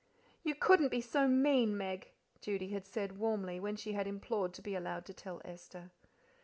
"You couldn't be so mean, Meg," Judy had said warmly, when she had implored to be allowed to tell Esther.